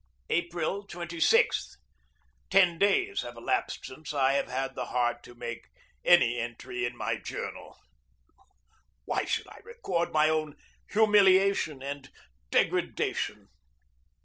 April 26. Ten days have elapsed since I have had the heart to make any entry in my journal. Why should I record my own humiliation and degradation?